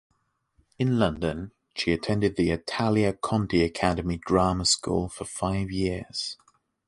In London, she attended the Italia Conti Academy drama school for five years.